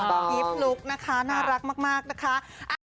กิ๊บลุคนะคะน่ารักมากนะคะ